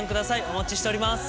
お待ちしております。